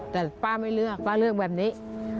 แต่ป้าไม่เลือกป้าเลือกแบบนี้